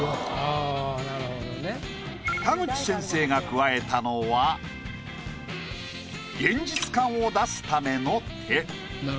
田口先生が加えたのは現実感を出すための手。